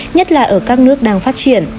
nhất là ở các nước đang phát triển